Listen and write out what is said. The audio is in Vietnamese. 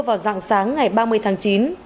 vào sáng ngày ba mươi tháng chín